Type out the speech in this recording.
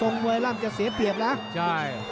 โมยล่ำจะเสี้ยเพียบนะ